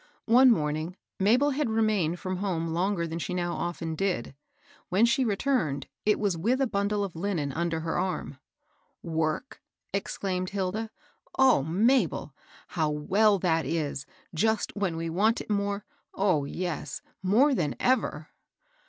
One morning, Mabel had remained from home longer than she now often did. When she re turned, it was with a bundle of linen under her arm. THE WOLF AT THE DOOR. 389 *« Work ?" exclaimed Hilda. "O Mabel ! how well that IS, just when we want it more — oh, yes, more than ever